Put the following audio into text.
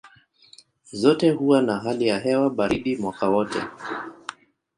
Zote huwa na hali ya hewa baridi mwaka wote.